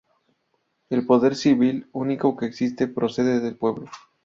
El poder civil, único que existe, procede del pueblo.